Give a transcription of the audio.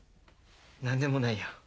何でもないよ。